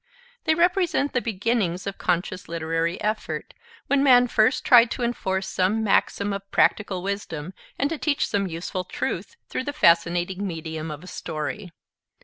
They represent the beginnings of conscious literary effort, when man first tried to enforce some maxim of practical wisdom and to teach some useful truth through the fascinating medium of a story.